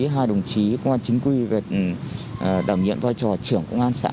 hai đồng chí công an chính quy về đảm nhiệm vai trò trưởng công an xã